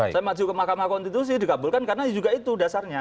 saya maju ke mahkamah konstitusi dikabulkan karena juga itu dasarnya